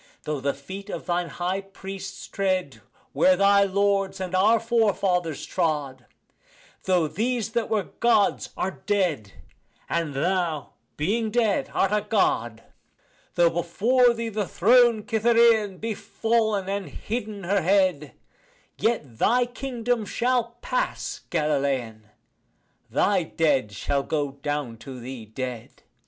Though the feet of thine high priests tread where thy lords and our forefathers trod, Though these that were Gods are dead, and thou being dead art a God, Though before thee the throned Cytherean be fallen, and hidden her head, Yet thy kingdom shall pass, Galilean, thy dead shall go down to thee dead.